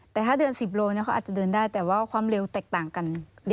แต่ถ้าเดือน๑๐โลเขาอาจจะเดินได้แต่ว่าความเร็วแตกต่างกัน